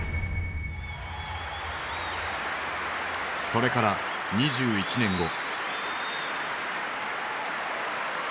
それから２１年後。